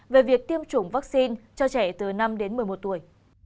về việc tiêm chủng vaccine cho trẻ từ năm đến một mươi một tuổi